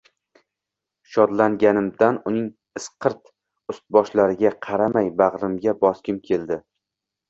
Shodlanganimdan uning isqirt ustboshlariga qaramay bag’rimga bosgim keldi.